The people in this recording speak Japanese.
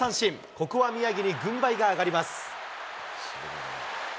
ここは宮城に軍配が上がります。